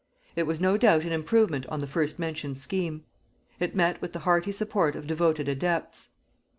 It was no doubt an improvement on the first mentioned scheme. It met with the hearty support of devoted adepts.